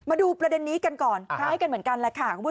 แล้วก็มาดูประเด็นนี้ก่อนให้กันเหมือนกันแล้วค่ะกับผู้